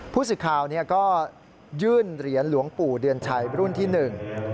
ผู้สื่อข่าวเนี่ยก็ยื่นเหรียญหลวงปู่เดือนชัยรุ่นที่หนึ่ง